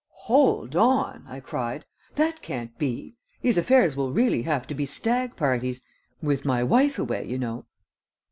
"Hold on!" I cried. "That can't be. These affairs will really have to be stag parties with my wife away, you know."